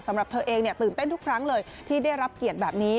สำหรับเธอเองตื่นเต้นทุกครั้งเลยที่ได้รับเกียรติแบบนี้